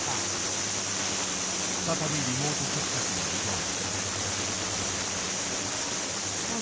再びリモート接客に挑む。